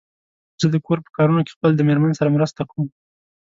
زه د کور په کارونو کې خپل د مېرمن سره مرسته کوم.